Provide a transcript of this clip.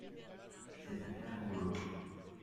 C'est un gars rigolo.